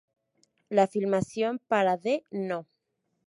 La filmación para The No.